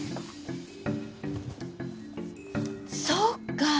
そっか！